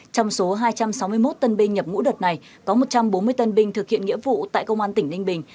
trong số hai trăm sáu mươi một tân binh nhập ngũ đợt này có một trăm bốn mươi tân binh thực hiện nghĩa vụ tại công an tỉnh ninh bình